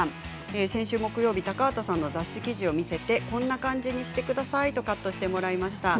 先週木曜日、高畑さんの雑誌記事を見せてこんな感じにしてくださいとカットしてもらいました。